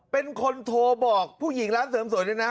เป็นคนโทรบอกผู้หญิงร้านเสริมสวยด้วยนะ